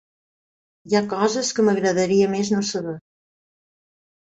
Hi ha coses que m'agradaria més no saber.